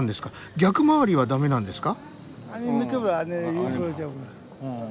逆回りはダメなんですか？